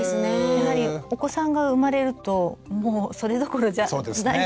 やはりお子さんが生まれるともうそれどころじゃないじゃないですか。